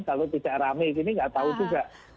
kalau tidak rame ini tidak tahu juga